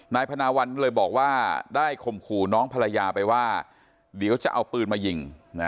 นายพนาวัลเลยบอกว่าได้ข่มขู่น้องภรรยาไปว่าเดี๋ยวจะเอาปืนมายิง